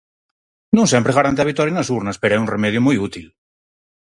Non sempre garante a vitoria nas urnas, pero é un remedio moi útil.